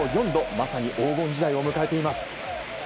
まさに黄金時代を迎えています。